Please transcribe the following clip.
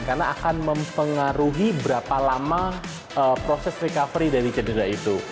karena akan mempengaruhi berapa lama proses recovery dari cedera itu